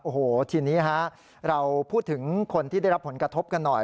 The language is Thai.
โอ้โหทีนี้ฮะเราพูดถึงคนที่ได้รับผลกระทบกันหน่อย